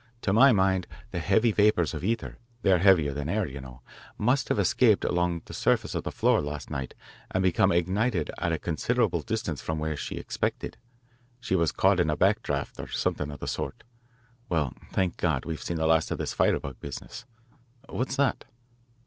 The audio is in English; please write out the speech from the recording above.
To my mind, the heavy vapours of ether they are heavier than air, you know must have escaped along the surface of the floor last night and become ignited at a considerable distance from where she expected. She was caught in a back draught, or something of the sort. Well, thank God, we've seen the last of this firebug business. What's that?"